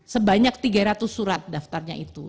sebanyak tiga ratus surat daftarnya itu